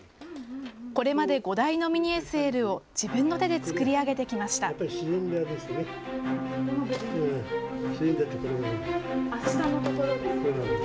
これまで５台のミニＳＬを自分の手で作り上げてきました。